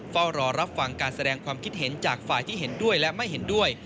เฝ้ารอรับฟังการแสดงความคิดเห็นจากฝ่ายที่เห็นด้วยและไม่เห็นด้วย